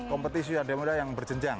kompetisi yang berjenjang